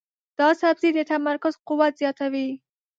دا سبزی د تمرکز قوت زیاتوي.